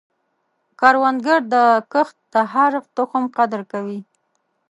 کروندګر د کښت د هر تخم قدر کوي